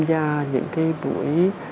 và những cái buổi